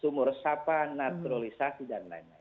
sumur resapan naturalisasi dan lain lain